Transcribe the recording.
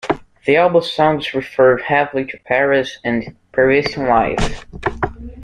The album's songs refer heavily to Paris, and Parisian life.